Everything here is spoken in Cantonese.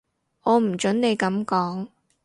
我唔準你噉講